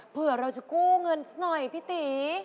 เผื่อเราจะกู้เงินสักหน่อยพี่ตี